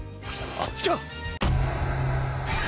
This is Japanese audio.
あっちか！